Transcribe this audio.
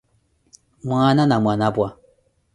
Mwaana na Mwanapwa